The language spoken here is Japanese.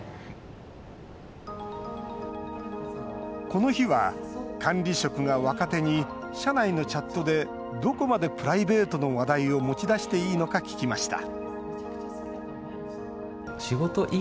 この日は、管理職が若手に社内のチャットでどこまでプライベートの話題を持ち出していいのか聞きました